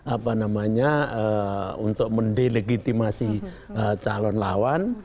apa namanya untuk mendelegitimasi calon lawan